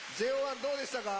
１どうでしたか？